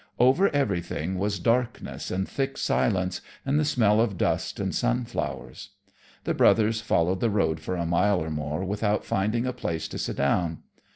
Over everything was darkness and thick silence, and the smell of dust and sunflowers. The brothers followed the road for a mile or more without finding a place to sit down.